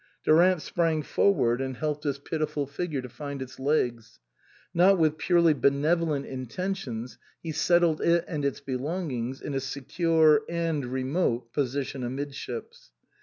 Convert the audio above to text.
Durant sprang forward and helped this pitiful figure to find its legs ; not with purely benevolent intentions, he settled it and its belongings in a secure (and remote) position amidships.